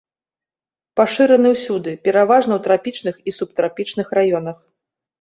Пашыраны ўсюды, пераважна ў трапічных і субтрапічных раёнах.